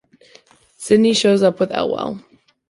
Sidney shows up with Elwell.